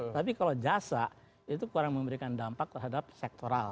tapi kalau jasa itu kurang memberikan dampak terhadap sektoral